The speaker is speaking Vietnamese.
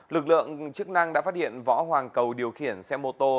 lực lượng chức năng đã phát hiện võ hoàng cầu điều khiển xe mô tô